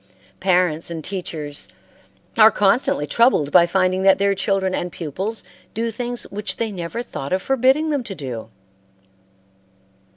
Parents and teachers are constantly troubled by finding that their children and pupils do things which they never thought of forbidding them to do.